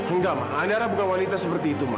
enggak ma andara bukan wanita seperti itu ma